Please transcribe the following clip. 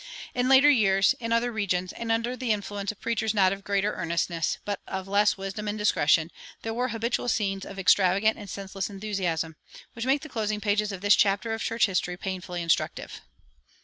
In later years, in other regions, and under the influence of preachers not of greater earnestness, but of less wisdom and discretion, there were habitual scenes of extravagant and senseless enthusiasm, which make the closing pages of this chapter of church history painfully instructive.